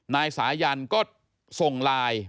นายสายันก็ส่งไลน์